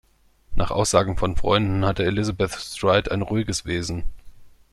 Nach Aussagen von Freunden hatte Elizabeth Stride ein ruhiges Wesen.